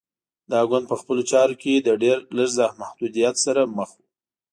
دا ګوند په خپلو چارو کې له ډېر لږ محدودیت سره مخ و.